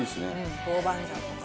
豆板醤とか。